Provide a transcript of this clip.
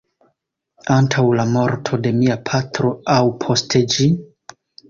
Antaŭ la morto de mia patro aŭ post ĝi?